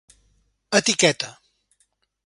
Etiqueta: